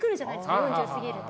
４０を過ぎると。